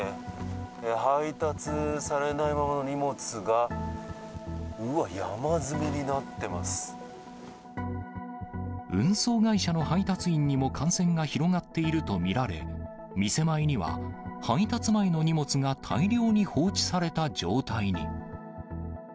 配達されないままの荷物が、運送会社の配達員にも感染が広がっていると見られ、店前には配達前の荷物が大量に放置された状態に。